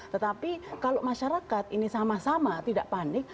tetapi kalau masyarakat ini sama sama tidak panik